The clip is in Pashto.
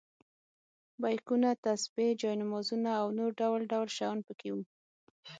بیکونه، تسبیح، جاینمازونه او نور ډول ډول شیان په کې وو.